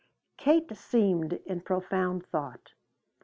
Kate seemed in profound thought.